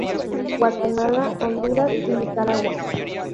Guatemala, Honduras y Nicaragua.